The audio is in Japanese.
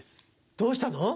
どうしたの？